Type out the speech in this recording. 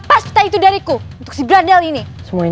kana untuk kita berdamai dengan berat